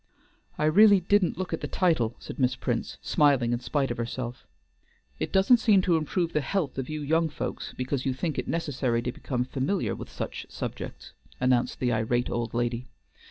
"I really didn't look at the title," said Miss Prince, smiling in spite of herself. "It doesn't seem to improve the health of you young folks because you think it necessary to become familiar with such subjects," announced the irate old lady.